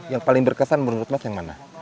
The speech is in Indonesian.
yang paling berkesan menurut mas yang mana